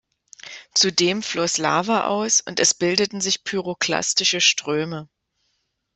Zudem floss Lava aus und es bildeten sich pyroklastische Ströme.